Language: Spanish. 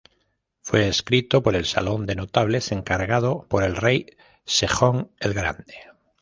Fue escrito por el Salón de Notables, encargado por el rey Sejong el Grande.